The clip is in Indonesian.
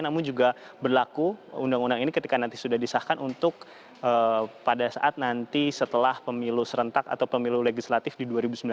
namun juga berlaku undang undang ini ketika nanti sudah disahkan untuk pada saat nanti setelah pemilu serentak atau pemilu legislatif di dua ribu sembilan belas